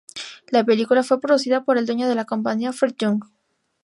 La película fue producida por el dueño de la compañía, Fred Young.